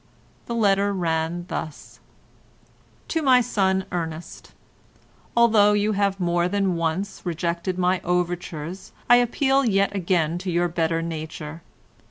The letter ran thus:— "To my son Ernest,—Although you have more than once rejected my overtures I appeal yet again to your better nature.